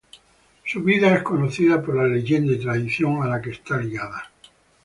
Su vida es conocida por la leyenda y tradición a la que está ligada.